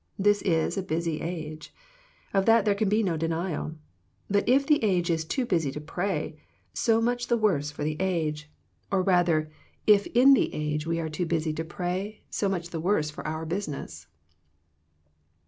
This is a busy age. Of that there can be no denial, but if the age is too busy to pray, so much the worse for the age; or THE PEACTICE OF PEAYER 111 rather if in the age we are too busy to pray, so much the worse for our business.